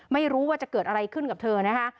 ไม่รู้ว่าจะเกิดอะไรขึ้นกับเธอนะคะ